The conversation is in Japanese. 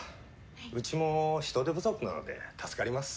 うちも人手不足なので助かります。